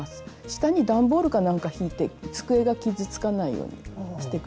下に段ボールかなんかひいて机が傷つかないようにして下さい。